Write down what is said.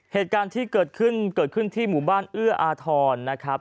เหตุการณ์ที่เกิดขึ้นเกิดขึ้นที่หมู่บ้านเอื้ออาทรนะครับ